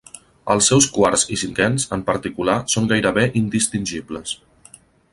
Els seus quarts i cinquens, en particular, són gairebé indistingibles.